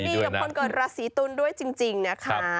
ดีกับคนเกิดราศีตุลด้วยจริงนะคะ